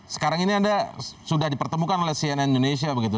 sekarang ini anda sudah dipertemukan oleh cnn indonesia begitu